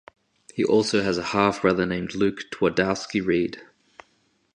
He also has a half brother named Luke Twardowski-reid.